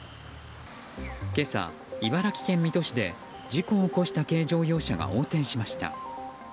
今朝、茨城県水戸市で事故を起こした軽乗用車が横転しました。